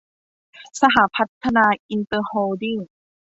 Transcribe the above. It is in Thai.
สหพัฒนาอินเตอร์โฮลดิ้ง